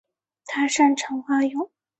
他擅长蛙泳。